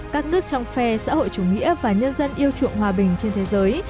các nước trong phe xã hội chủ nghĩa và nhân dân yêu chuộng hòa bình trên thế giới